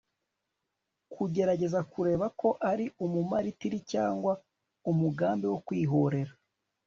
kugerageza kureba ko ari umumaritiri cyangwa umugambi wo kwihorera